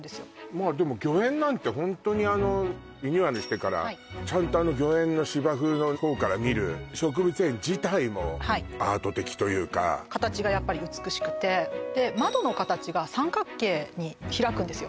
まあでも御苑なんてホントにあのリニューアルしてからちゃんと御苑の芝生のほうから見る植物園自体もアート的というか形がやっぱり美しくて窓の形が三角形に開くんですよ